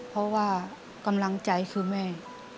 เพราะว่ากำลังใจคือแม่